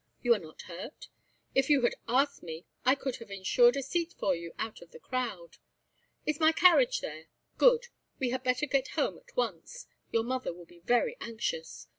You are not hurt? If you had asked me, I could have ensured a seat for you out of the crowd. Is my carriage there? Good, we had better get home at once; your mother will be very anxious.